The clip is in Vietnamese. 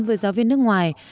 với giáo viên nước ngoài